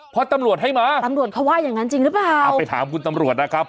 เพราะตำรวจให้มาเอาไปถามคุณตำรวจใหม่ก็ได้นะครับ